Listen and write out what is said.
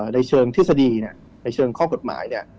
ในเชิงทฤษฎีเนี่ยในเชิงข้อกฎหมายเนี่ย